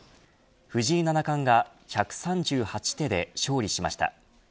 藤井七冠が１３８手で勝利しました。